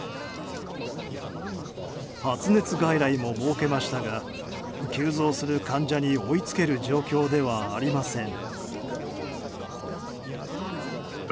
発熱外来も設けましたが急増する患者に追いつける状況ではありません。